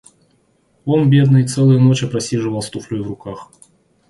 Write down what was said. Он, бедный, целые ночи просиживал с туфлёй в руках...